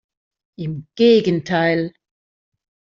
Im Gegenteil!